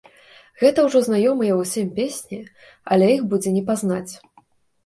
Гэта ўжо знаёмыя ўсім песні, але іх будзе не пазнаць.